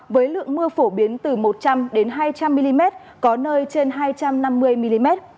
với lượng mưa phổ biến từ một trăm linh hai trăm linh mm có nơi trên hai trăm năm mươi mm